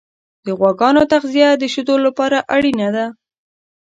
د غواګانو تغذیه د شیدو لپاره اړینه ده.